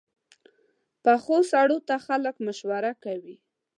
پخو سړو ته خلک مشوره کوي